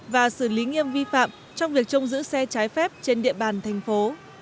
và xử lý nghiêm vi phạm trong việc trông giữ xe trái phép trên địa bàn thành phố